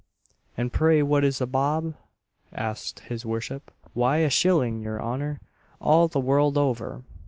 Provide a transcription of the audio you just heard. '" "And pray what is a bob?" asked his worship. "Why a shilling, your honour, all the world over!